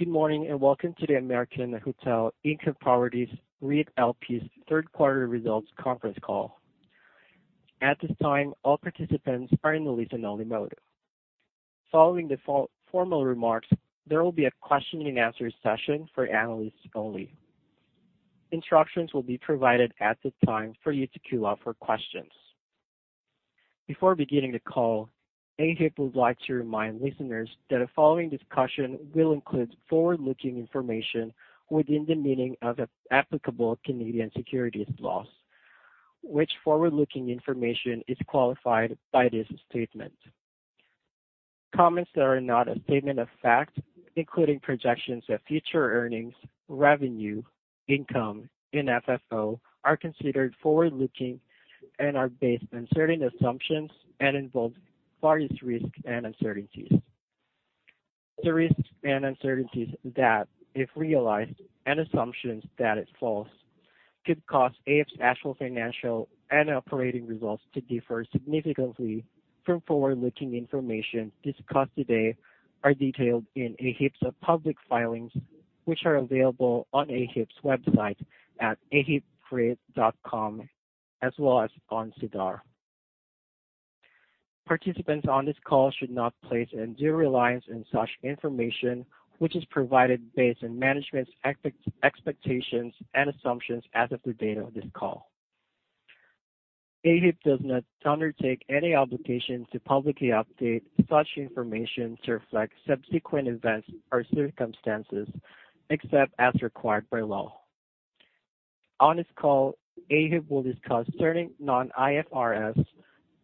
Good morning, and welcome to the American Hotel Income Properties REIT LP's third quarter results conference call. At this time, all participants are in the listen-only mode. Following the formal remarks, there will be a question-and-answer session for analysts only. Instructions will be provided at the time for you to queue up for questions. Before beginning the call, AHIP would like to remind listeners that the following discussion will include forward-looking information within the meaning of applicable Canadian securities laws, which forward-looking information is qualified by this statement. Comments that are not a statement of fact, including projections of future earnings, revenue, income, and FFO, are considered forward-looking and are based on certain assumptions and involve various risks and uncertainties. The risks and uncertainties that, if realized, and assumptions that are false, could cause AHIP's actual financial and operating results to differ significantly from forward-looking information discussed today are detailed in AHIP's public filings, which are available on AHIP's website at ahipreit.com, as well as on SEDAR. Participants on this call should not place undue reliance on such information, which is provided based on management's expectations and assumptions as of the date of this call. AHIP does not undertake any obligation to publicly update such information to reflect subsequent events or circumstances, except as required by law. On this call, AHIP will discuss certain non-IFRS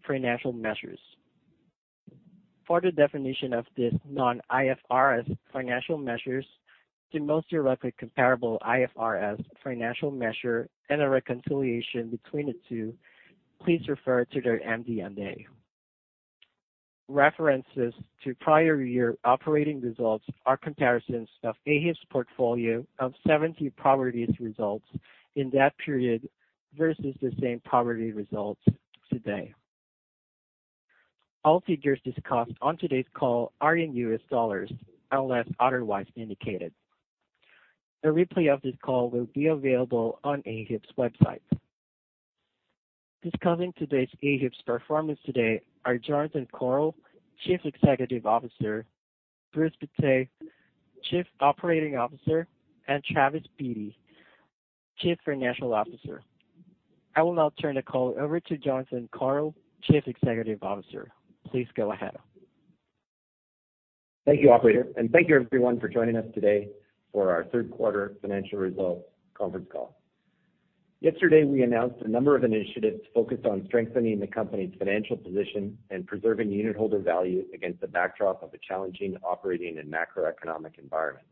financial measures. For the definition of these non-IFRS financial measures, the most directly comparable IFRS financial measure, and a reconciliation between the two, please refer to their MD&A. References to prior year operating results are comparisons of AHIP's portfolio of 70 properties results in that period versus the same property results today. All figures discussed on today's call are in U.S. dollars, unless otherwise indicated. A replay of this call will be available on AHIP's website. Discussing today's AHIP's performance today are Jonathan Korol, Chief Executive Officer, Bruce Pittet, Chief Operating Officer, and Travis Beatty, Chief Financial Officer. I will now turn the call over to Jonathan Korol, Chief Executive Officer. Please go ahead. Thank you, operator, and thank you everyone for joining us today for our third quarter financial results conference call. Yesterday, we announced a number of initiatives focused on strengthening the company's financial position and preserving unitholder value against the backdrop of a challenging operating and macroeconomic environment.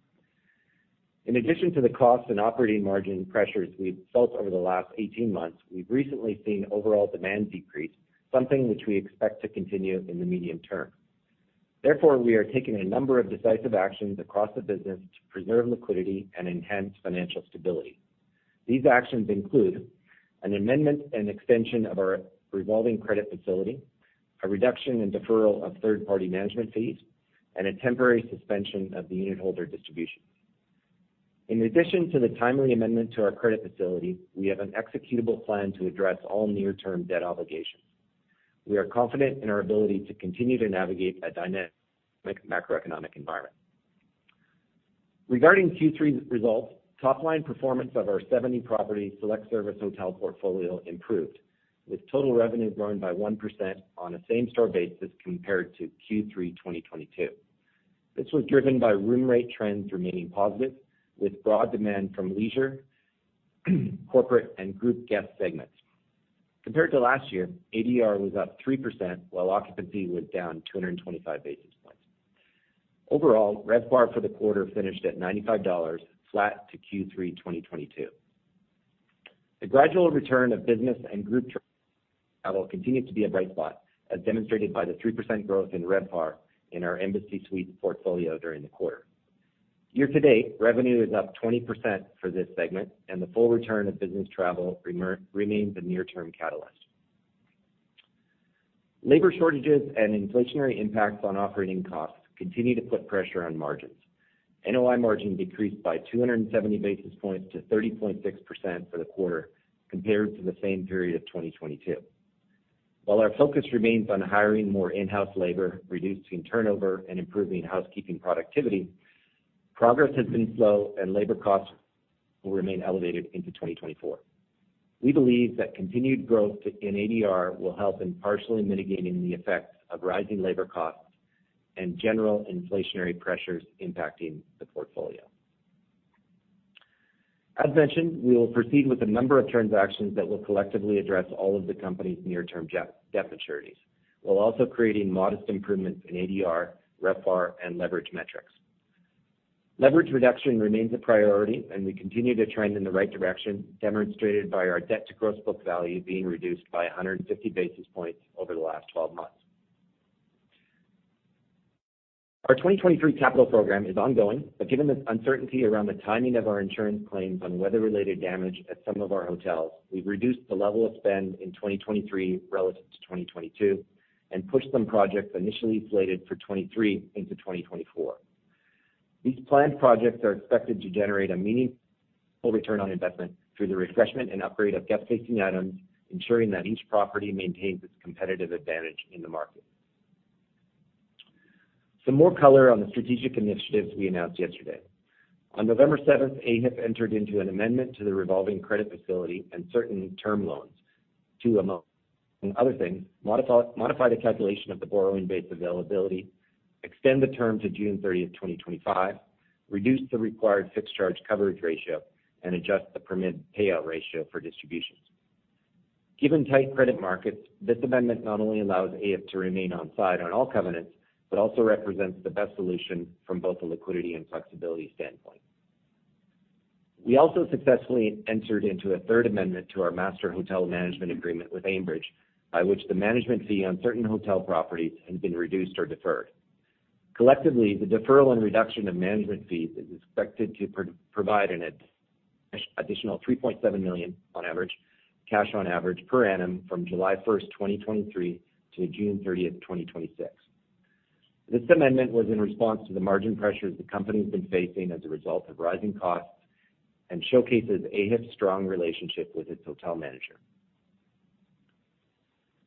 In addition to the cost and operating margin pressures we've felt over the last 18 months, we've recently seen overall demand decrease, something which we expect to continue in the medium term. Therefore, we are taking a number of decisive actions across the business to preserve liquidity and enhance financial stability. These actions include an amendment and extension of our revolving credit facility, a reduction in deferral of third-party management fees, and a temporary suspension of the unitholder distribution. In addition to the timely amendment to our credit facility, we have an executable plan to address all near-term debt obligations. We are confident in our ability to continue to navigate a dynamic macroeconomic environment. Regarding Q3 results, top-line performance of our 70-property select-service hotel portfolio improved, with total revenue growing by 1% on a same-store basis compared to Q3 2022. This was driven by room rate trends remaining positive, with broad demand from leisure, corporate, and group guest segments. Compared to last year, ADR was up 3%, while occupancy was down 225 basis points. Overall, RevPAR for the quarter finished at $95, flat to Q3 2022. The gradual return of business and group travel continued to be a bright spot, as demonstrated by the 3% growth in RevPAR in our Embassy Suites portfolio during the quarter. Year to date, revenue is up 20% for this segment, and the full return of business travel remains a near-term catalyst. Labor shortages and inflationary impacts on operating costs continue to put pressure on margins. NOI margin decreased by 270 basis points to 30.6% for the quarter compared to the same period of 2022. While our focus remains on hiring more in-house labor, reducing turnover, and improving housekeeping productivity, progress has been slow, and labor costs will remain elevated into 2024. We believe that continued growth in ADR will help in partially mitigating the effects of rising labor costs and general inflationary pressures impacting the portfolio. As mentioned, we will proceed with a number of transactions that will collectively address all of the company's near-term debt, debt maturities, while also creating modest improvements in ADR, RevPAR, and leverage metrics. Leverage reduction remains a priority, and we continue to trend in the right direction, demonstrated by our debt to gross book value being reduced by 150 basis points over the last 12 months. Our 2023 capital program is ongoing, but given the uncertainty around the timing of our insurance claims on weather-related damage at some of our hotels, we've reduced the level of spend in 2023 relative to 2022... and push some projects initially slated for 2023 into 2024. These planned projects are expected to generate a meaningful return on investment through the refreshment and upgrade of guest-facing items, ensuring that each property maintains its competitive advantage in the market. Some more color on the strategic initiatives we announced yesterday. On November seventh, AHIP entered into an amendment to the revolving credit facility and certain term loans to, among other things, modify the calculation of the borrowing base availability, extend the term to June 30, 2025, reduce the required fixed charge coverage ratio, and adjust the permitted payout ratio for distributions. Given tight credit markets, this amendment not only allows AHIP to remain on side on all covenants, but also represents the best solution from both a liquidity and flexibility standpoint. We also successfully entered into a third amendment to our master hotel management agreement with Aimbridge, by which the management fee on certain hotel properties has been reduced or deferred. Collectively, the deferral and reduction of management fees is expected to provide an additional $3.7 million cash on average per annum from July 1, 2023 to June 30, 2026. This amendment was in response to the margin pressures the company's been facing as a result of rising costs and showcases AHIP's strong relationship with its hotel manager.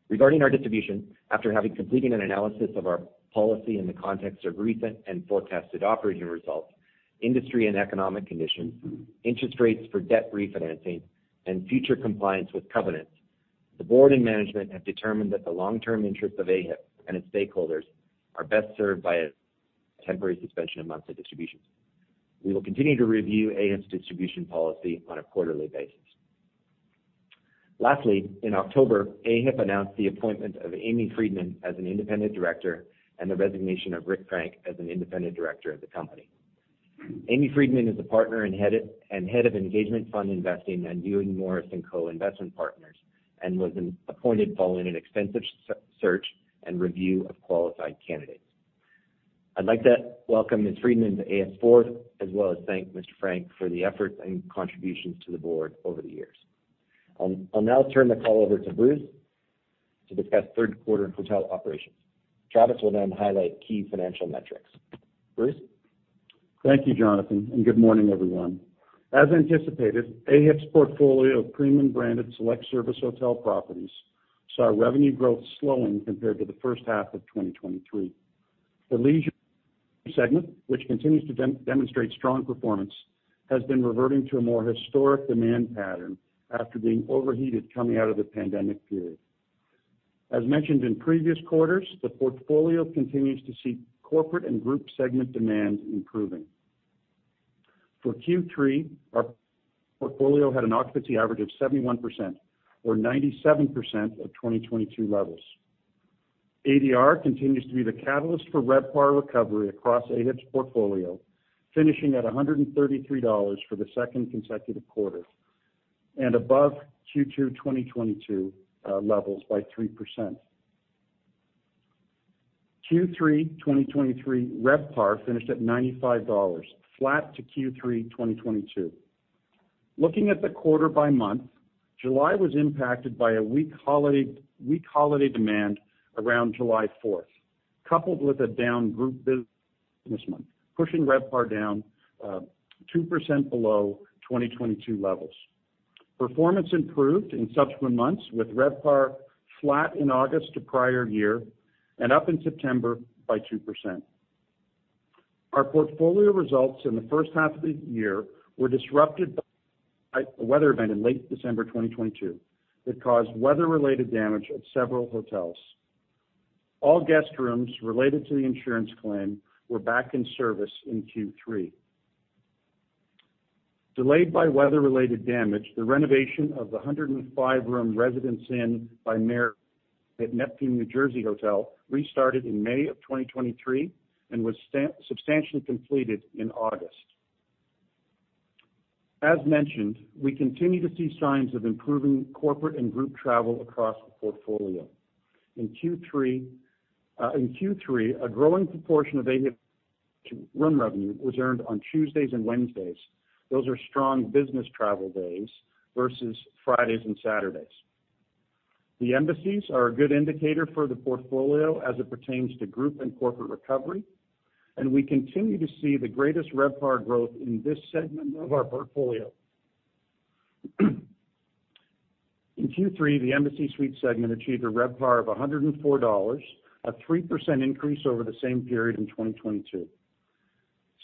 Regarding our distribution, after having completed an analysis of our policy in the context of recent and forecasted operating results, industry and economic conditions, interest rates for debt refinancing, and future compliance with covenants, the board and management have determined that the long-term interests of AHIP and its stakeholders are best served by a temporary suspension of monthly distributions. We will continue to review AHIP's distribution policy on a quarterly basis. Lastly, in October, AHIP announced the appointment of Amy Freedman as an independent director and the resignation of Rick Frank as an independent director of the company. Amy Freedman is a partner and head of Engagement Fund Investing at Ewing Morris & Co. Investment Partners, and was appointed following an extensive search and review of qualified candidates. I'd like to welcome Ms. Friedman to AHIP's board, as well as thank Mr. Frank for the efforts and contributions to the board over the years. I'll now turn the call over to Bruce to discuss third quarter and hotel operations. Travis will then highlight key financial metrics. Bruce? Thank you, Jonathan, and good morning, everyone. As anticipated, AHIP's portfolio of premium branded select service hotel properties saw revenue growth slowing compared to the first half of 2023. The leisure segment, which continues to demonstrate strong performance, has been reverting to a more historic demand pattern after being overheated coming out of the pandemic period. As mentioned in previous quarters, the portfolio continues to see corporate and group segment demand improving. For Q3, our portfolio had an occupancy average of 71% or 97% of 2022 levels. ADR continues to be the catalyst for RevPAR recovery across AHIP's portfolio, finishing at $133 for the second consecutive quarter and above Q2 2022 levels by 3%. Q3 2023 RevPAR finished at $95, flat to Q3 2022. Looking at the quarter by month, July was impacted by a weak holiday, weak holiday demand around July Fourth, coupled with a down group business month, pushing RevPAR down 2% below 2022 levels. Performance improved in subsequent months, with RevPAR flat in August to prior year and up in September by 2%. Our portfolio results in the first half of the year were disrupted by a weather event in late December 2022 that caused weather-related damage at several hotels. All guest rooms related to the insurance claim were back in service in Q3. Delayed by weather-related damage, the renovation of the 105-room Residence Inn by Marriott at Neptune, New Jersey, hotel restarted in May of 2023 and was substantially completed in August. As mentioned, we continue to see signs of improving corporate and group travel across the portfolio. In Q3, in Q3, a growing proportion of AHIP room revenue was earned on Tuesdays and Wednesdays. Those are strong business travel days versus Fridays and Saturdays. The Embassies are a good indicator for the portfolio as it pertains to group and corporate recovery, and we continue to see the greatest RevPAR growth in this segment of our portfolio. In Q3, the Embassy Suites segment achieved a RevPAR of $104, a 3% increase over the same period in 2022.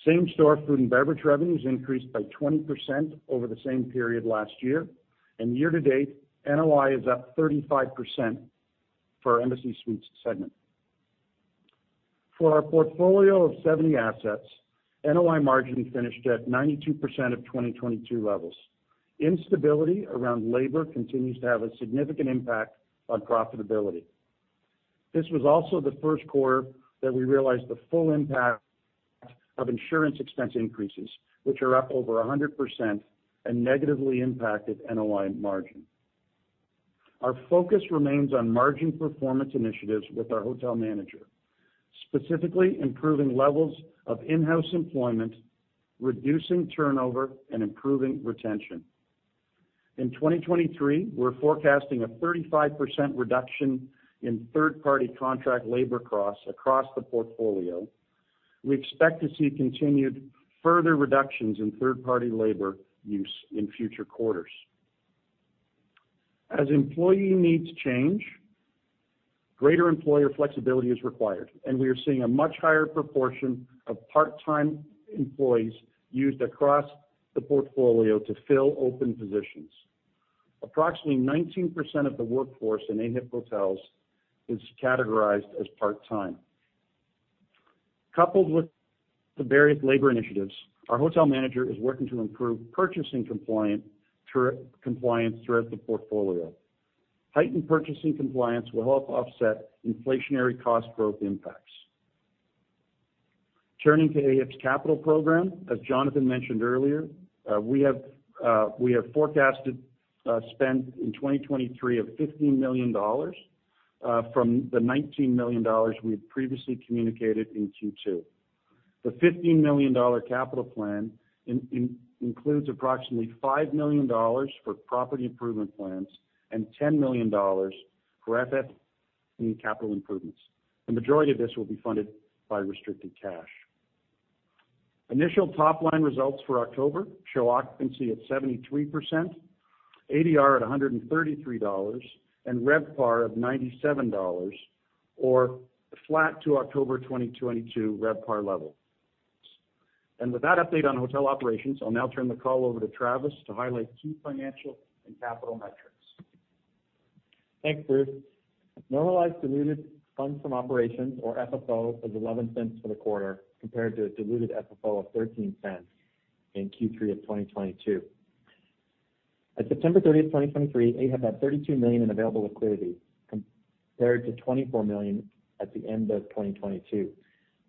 Same-store food and beverage revenues increased by 20% over the same period last year, and year to date, NOI is up 35% for our Embassy Suites segment. For our portfolio of 70 assets, NOI margin finished at 92% of 2022 levels. Instability around labor continues to have a significant impact on profitability. This was also the first quarter that we realized the full impact of insurance expense increases, which are up over 100% and negatively impacted NOI margin. Our focus remains on margin performance initiatives with our hotel manager, specifically improving levels of in-house employment, reducing turnover, and improving retention... In 2023, we're forecasting a 35% reduction in third party contract labor costs across the portfolio. We expect to see continued further reductions in third party labor use in future quarters. As employee needs change, greater employer flexibility is required, and we are seeing a much higher proportion of part-time employees used across the portfolio to fill open positions. Approximately 19% of the workforce in AHIP hotels is categorized as part-time. Coupled with the various labor initiatives, our hotel manager is working to improve purchasing compliance throughout the portfolio. Heightened purchasing compliance will help offset inflationary cost growth impacts. Turning to AHIP's capital program, as Jonathan mentioned earlier, we have forecasted spend in 2023 of $15 million, from the $19 million we had previously communicated in Q2. The $15 million capital plan includes approximately $5 million for property improvement plans and $10 million for FF&E capital improvements. The majority of this will be funded by restricted cash. Initial top-line results for October show occupancy at 73%, ADR at $133, and RevPAR of $97, or flat to October 2022 RevPAR level. With that update on hotel operations, I'll now turn the call over to Travis to highlight key financial and capital metrics. Thanks, Bruce. Normalized diluted funds from operations, or FFO, was $0.11 for the quarter, compared to a diluted FFO of $0.13 in Q3 of 2022. At September 30th, 2023, AHIP had $32 million in available liquidity, compared to $24 million at the end of 2022.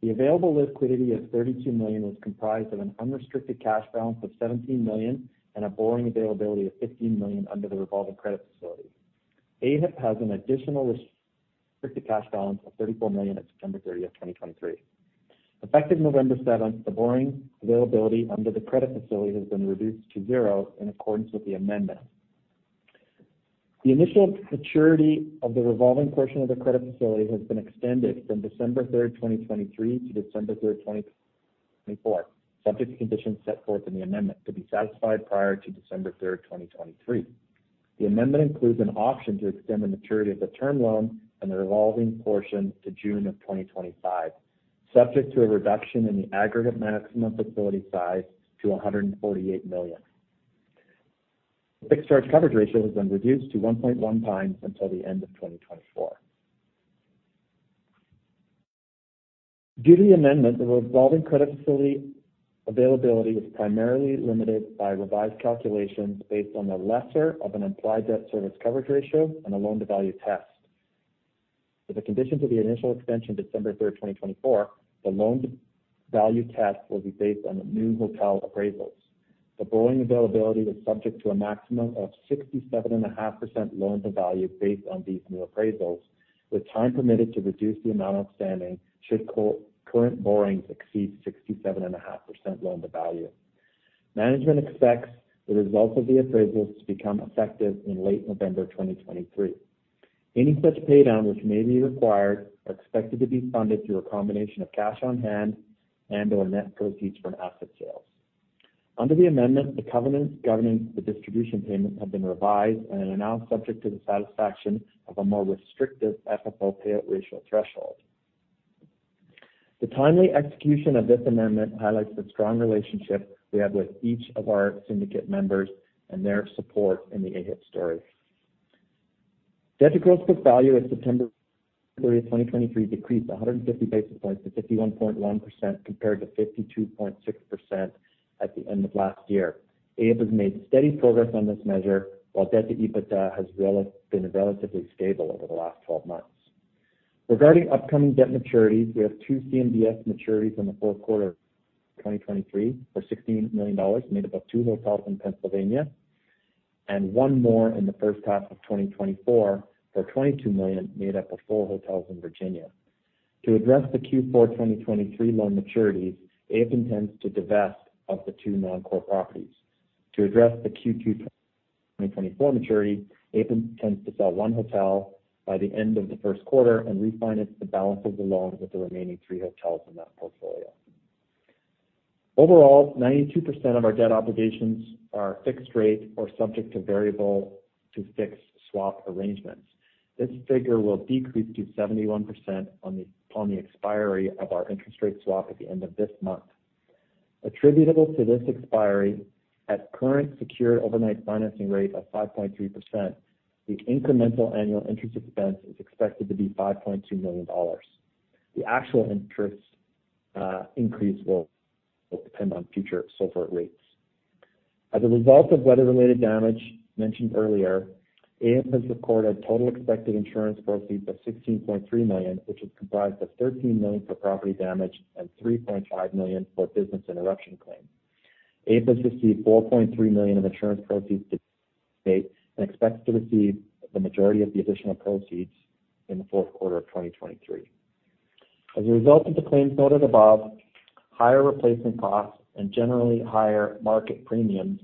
The available liquidity of $32 million was comprised of an unrestricted cash balance of $17 million and a borrowing availability of $15 million under the revolving credit facility. AHIP has an additional restricted cash balance of $34 million at September 30th, 2023. Effective November 7th, the borrowing availability under the credit facility has been reduced to zero in accordance with the amendment. The initial maturity of the revolving portion of the credit facility has been extended from December 3, 2023 to December 3, 2024, subject to conditions set forth in the amendment to be satisfied prior to December 3, 2023. The amendment includes an option to extend the maturity of the term loan and the revolving portion to June of 2025, subject to a reduction in the aggregate maximum facility size to $148 million. Fixed Charge Coverage Ratio has been reduced to 1.1 times until the end of 2024. Due to the amendment, the revolving credit facility availability is primarily limited by revised calculations based on the lesser of an implied debt service coverage ratio and a loan-to-value test. For the conditions of the initial extension, December 3, 2024, the loan-to-value test will be based on the new hotel appraisals. The borrowing availability is subject to a maximum of 67.5% loan-to-value based on these new appraisals, with time permitted to reduce the amount outstanding, should concurrent borrowings exceed 67.5% loan-to-value. Management expects the results of the appraisals to become effective in late November 2023. Any such paydown, which may be required, are expected to be funded through a combination of cash on hand and or net proceeds from asset sales. Under the amendment, the covenants governing the distribution payments have been revised and are now subject to the satisfaction of a more restrictive FFO payout ratio threshold. The timely execution of this amendment highlights the strong relationship we have with each of our syndicate members and their support in the AHIP story. Debt to Gross Book Value at September 30, 2023, decreased 150 basis points to 51.1%, compared to 52.6% at the end of last year. AHIP has made steady progress on this measure, while debt to EBITDA has been relatively stable over the last 12 months. Regarding upcoming debt maturities, we have two CMBS maturities in the fourth quarter of 2023 for $16 million, made up of two hotels in Pennsylvania, and one more in the first half of 2024 for $22 million, made up of four hotels in Virginia. To address the Q4 2023 loan maturities, AHIP intends to divest of the two non-core properties. To address the Q2 2024 maturity, AHIP intends to sell one hotel by the end of the first quarter and refinance the balance of the loan with the remaining three hotels in that portfolio. Overall, 92% of our debt obligations are fixed rate or subject to variable to fixed swap arrangements. This figure will decrease to 71% on the expiry of our interest rate swap at the end of this month. Attributable to this expiry, at current secured overnight financing rate of 5.3%, the incremental annual interest expense is expected to be $5.2 million. The actual interest increase will depend on future SOFR rates. As a result of weather-related damage mentioned earlier, AHIP has recorded total expected insurance proceeds of $16.3 million, which is comprised of $13 million for property damage and $3.5 million for business interruption claims. AHIP has received $4.3 million in insurance proceeds to date and expects to receive the majority of the additional proceeds in the fourth quarter of 2023....As a result of the claims noted above, higher replacement costs, and generally higher market premiums,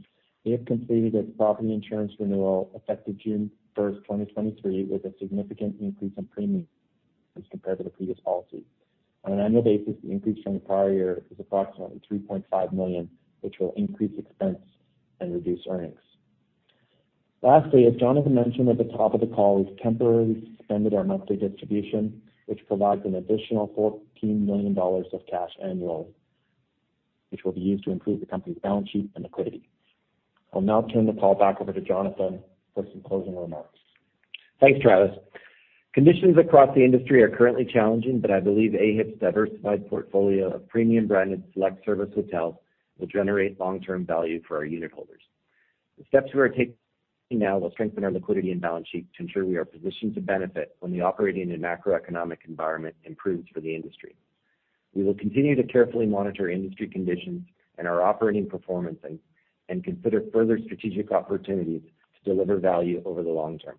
we have completed its property insurance renewal effective June 1, 2023, with a significant increase in premiums as compared to the previous policy. On an annual basis, the increase from the prior year is approximately $3.5 million, which will increase expense and reduce earnings. Lastly, as Jonathan mentioned at the top of the call, we've temporarily suspended our monthly distribution, which provides an additional $14 million of cash annually, which will be used to improve the company's balance sheet and liquidity. I'll now turn the call back over to Jonathan for some closing remarks. Thanks, Travis. Conditions across the industry are currently challenging, but I believe AHIP's diversified portfolio of premium branded select service hotels will generate long-term value for our unit holders. The steps we are taking now will strengthen our liquidity and balance sheet to ensure we are positioned to benefit when the operating and macroeconomic environment improves for the industry. We will continue to carefully monitor industry conditions and our operating performance and consider further strategic opportunities to deliver value over the long term.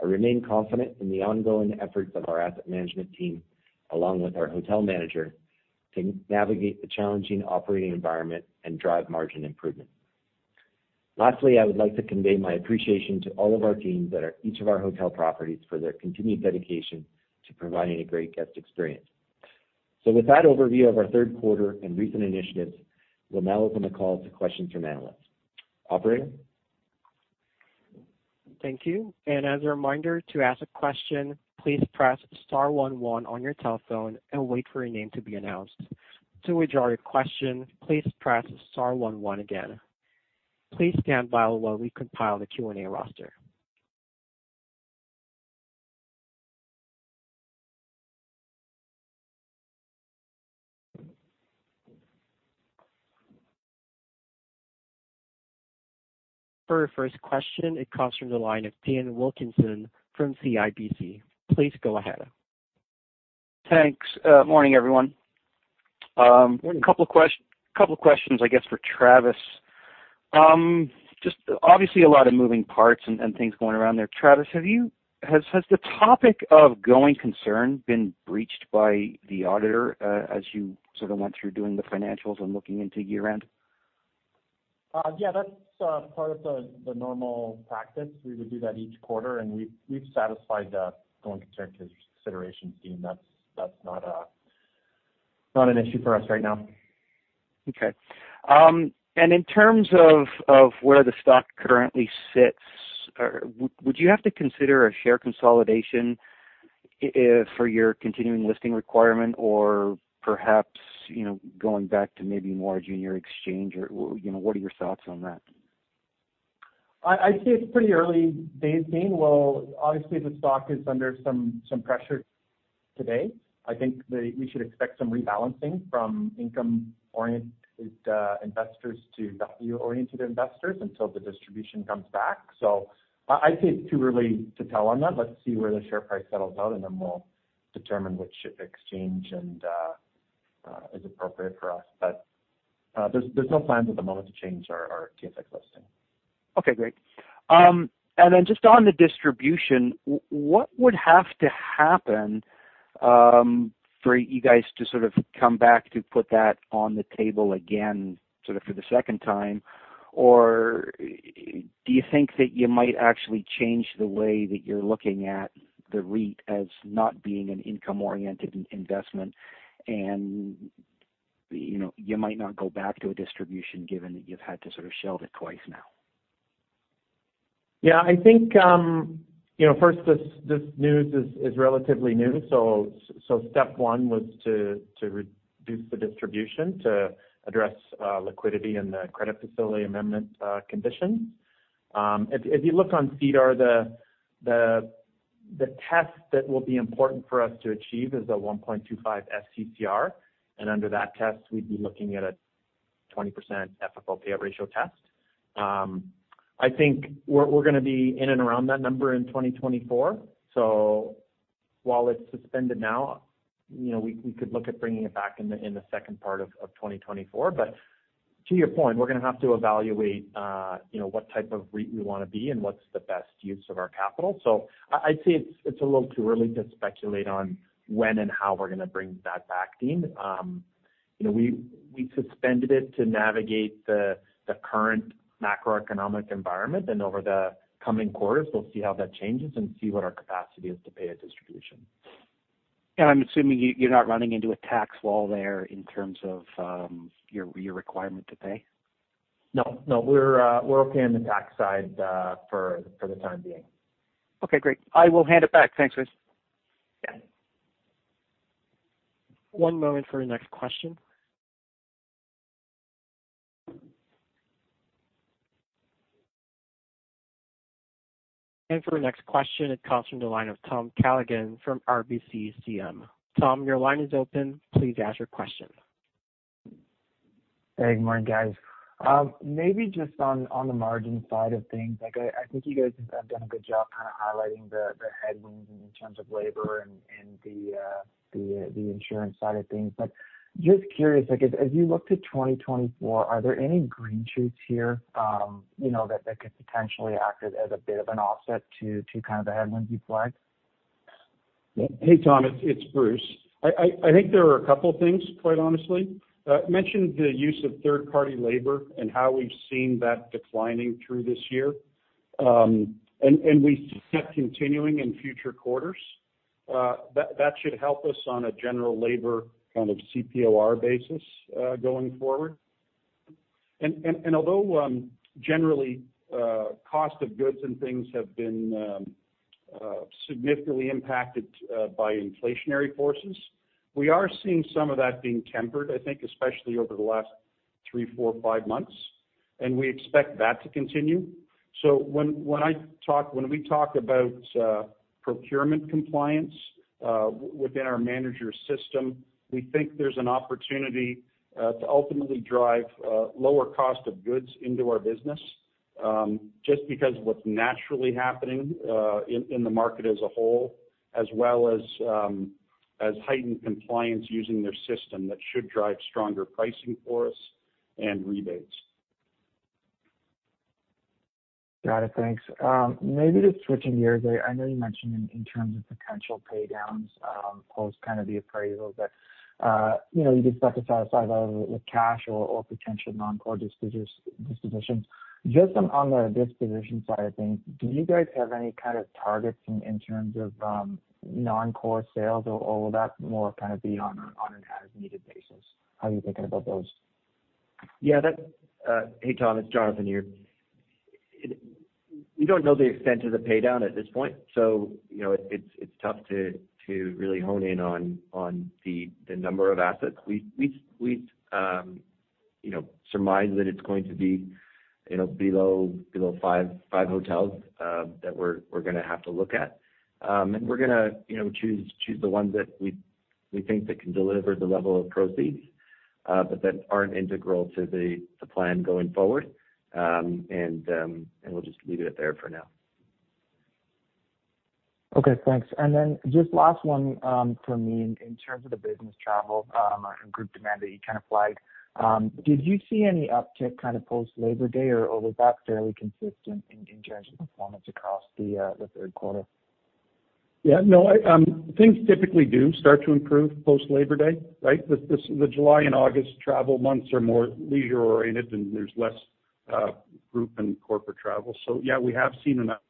I remain confident in the ongoing efforts of our asset management team, along with our hotel manager, to navigate the challenging operating environment and drive margin improvement. Lastly, I would like to convey my appreciation to all of our teams that are at each of our hotel properties for their continued dedication to providing a great guest experience. With that overview of our third quarter and recent initiatives, we'll now open the call to questions from analysts. Operator? Thank you. And as a reminder, to ask a question, please press star one one on your telephone and wait for your name to be announced. To withdraw your question, please press star one one again. Please stand by while we compile the Q&A roster. For our first question, it comes from the line of Dean Wilkinson from CIBC. Please go ahead. Thanks. Morning, everyone. A couple of questions, I guess, for Travis. Just obviously a lot of moving parts and things going around there. Travis, has the topic of going concern been breached by the auditor, as you sort of went through doing the financials and looking into year-end? Yeah, that's part of the normal practice. We would do that each quarter, and we've satisfied the going concern considerations, Dean. That's not an issue for us right now. Okay. And in terms of where the stock currently sits, would you have to consider a share consolidation for your continuing listing requirement or perhaps, you know, going back to maybe more a junior exchange or, you know, what are your thoughts on that? I'd say it's pretty early days, Dean. Well, obviously, the stock is under some pressure today. I think that we should expect some rebalancing from income-oriented investors to value-oriented investors until the distribution comes back. So I'd say it's too early to tell on that. Let's see where the share price settles out, and then we'll determine which exchange is appropriate for us. But there's no plans at the moment to change our TSX listing. Okay, great. And then just on the distribution, what would have to happen for you guys to sort of come back to put that on the table again, sort of for the second time? Or do you think that you might actually change the way that you're looking at the REIT as not being an income-oriented investment and, you know, you might not go back to a distribution given that you've had to sort of shelve it twice now? Yeah, I think, you know, first, this news is relatively new. So step one was to reduce the distribution to address liquidity and the credit facility amendment condition. If you look on SEDAR, the test that will be important for us to achieve is a 1.25 FCCR, and under that test, we'd be looking at a 20% FFO payout ratio test. I think we're gonna be in and around that number in 2024. So while it's suspended now, you know, we could look at bringing it back in the second part of 2024. But to your point, we're gonna have to evaluate, you know, what type of REIT we wanna be and what's the best use of our capital. So I'd say it's a little too early to speculate on when and how we're gonna bring that back, Dean. You know, we suspended it to navigate the current macroeconomic environment, and over the coming quarters, we'll see how that changes and see what our capacity is to pay a distribution. I'm assuming you're not running into a tax wall there in terms of your requirement to pay? No, no, we're okay on the tax side for the time being. Okay, great. I will hand it back. Thanks, Travis. Yeah. One moment for the next question. For the next question, it comes from the line of Tom Callaghan from RBCCM. Tom, your line is open. Please ask your question. Hey, good morning, guys. Maybe just on the margin side of things, like I think you guys have done a good job kind of highlighting the headwinds in terms of labor and the insurance side of things. But just curious, like as you look to 2024, are there any green shoots here, you know, that could potentially act as a bit of an offset to kind of the headwinds you flagged? Hey, Tom, it's Bruce. I think there are a couple of things, quite honestly. Mentioned the use of third-party labor and how we've seen that declining through this year. And we expect continuing in future quarters. That should help us on a general labor kind of CPOR basis, going forward. And although generally cost of goods and things have been significantly impacted by inflationary forces, we are seeing some of that being tempered, I think, especially over the last three, four, five months, and we expect that to continue. So when we talk about procurement compliance within our manager system, we think there's an opportunity to ultimately drive lower cost of goods into our business, just because of what's naturally happening in the market as a whole, as well as heightened compliance using their system that should drive stronger pricing for us and rebates. Got it. Thanks. Maybe just switching gears. I know you mentioned in terms of potential paydowns post kind of the appraisals, but you know, you could satisfy that with cash or potential non-core dispositions. Just on the disposition side of things, do you guys have any kind of targets in terms of non-core sales, or will that more kind of be on an as-needed basis? How are you thinking about those? Yeah, that... hey, Tom, it's Jonathan here. We don't know the extent of the paydown at this point, so you know, it's tough to really hone in on the number of assets. We you know, surmise that it's going to be you know, below 5 hotels that we're gonna have to look at. And we're gonna you know, choose the ones that we think that can deliver the level of proceeds, but that aren't integral to the plan going forward. And we'll just leave it at there for now. Okay, thanks. Then just last one from me. In terms of the business travel and group demand that you kind of flagged, did you see any uptick kind of post Labor Day, or was that fairly consistent in terms of performance across the third quarter? Yeah. No, I... Things typically do start to improve post Labor Day, right? The July and August travel months are more leisure oriented, and there's less group and corporate travel. So yeah, we have seen an uptick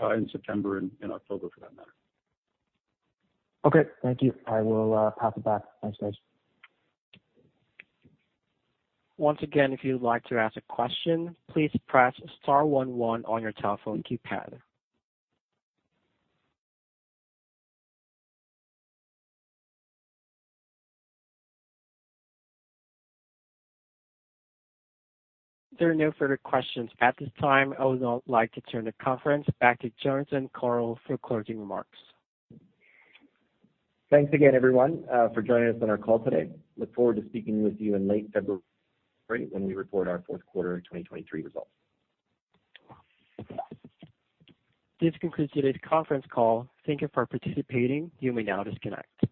in September and in October, for that matter. Okay, thank you. I will pass it back. Thanks, guys. Once again, if you'd like to ask a question, please press star one one on your telephone keypad. There are no further questions at this time. I would now like to turn the conference back to Jonathan Korol for closing remarks. Thanks again, everyone, for joining us on our call today. Look forward to speaking with you in late February, when we report our fourth quarter of 2023 results. This concludes today's conference call. Thank you for participating. You may now disconnect.